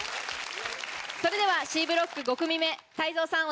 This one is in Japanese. それではＣブロック５組目泰造さん